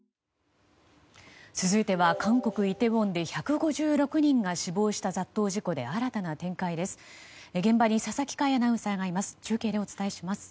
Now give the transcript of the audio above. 続いては韓国イテウォンで１５６人が死亡した雑踏事故で新たな展開です。